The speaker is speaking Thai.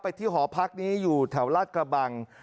ที่หอพักนี้อยู่แถวลาดกระบัง